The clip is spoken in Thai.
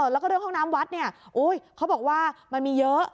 แล้วก็เรื่องห้องน้ำวัดเนี่ยเขาบอกว่ามันมีเยอะ